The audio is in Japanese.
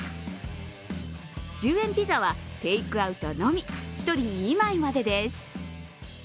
１０円ピザはテイクアウトのみ、１人２枚までです。